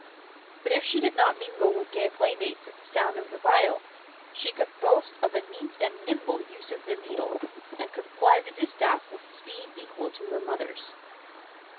But if she did not mingle with gay playmates at the sound of the viol, she could boast of a neat and nimble use of the needle, and could ply the distaff with speed equal to her mother's.